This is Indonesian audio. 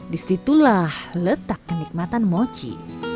disitulah letak kenikmatan moci